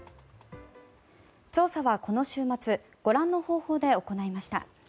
調査はこの週末ご覧の方法で行いました。